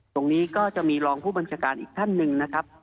ตรงนี้ก็จะมีรองผู้บัญชาการอีกท่านหนึ่งนะครับ